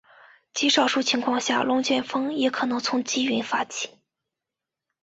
极少数情况下龙卷风也可能从积云发起。